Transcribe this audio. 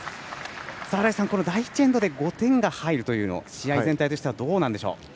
新井さん、第１エンドで５点が入るというのは試合全体としてはどうなんでしょう。